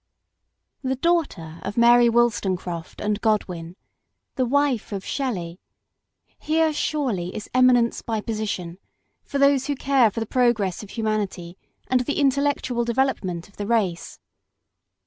THE daughter of Mary Wollstonecraft and Godwin, the wife of Shelley : here, surely, is eminence by position, for those who care for the progress of hu manity and the intellectual development of the race.